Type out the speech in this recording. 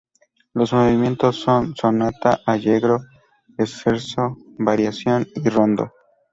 Los movimientos son: sonata-allegro, scherzo, variación, y rondó.